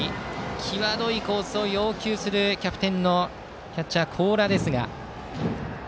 際どいコースを要求するキャプテンのキャッチャー高良です。